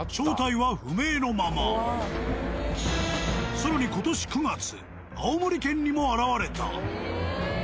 更に今年９月青森県にも現れた。